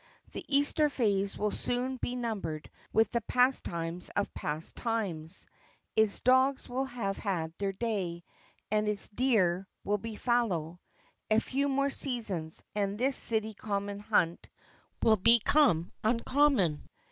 The Easter phase will soon be numbered with the pastimes of past times: its dogs will have had their day, and its Deer will be Fallow. A few more seasons, and this City Common Hunt will become uncommon.